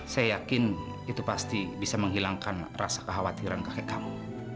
saya yakin itu pasti bisa menghilangkan rasa kekhawatiran kakek kamu